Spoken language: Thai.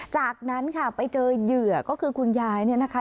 จากนั้นค่ะไปเจอเหยื่อก็คือคุณยายเนี่ยนะคะ